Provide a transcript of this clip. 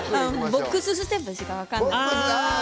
ボックスステップしか分かんない。